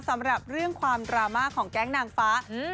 สำหรับเรื่องความดราม่าของแก๊งนางฟ้า